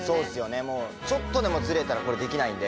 もうちょっとでもずれたらこれできないんで。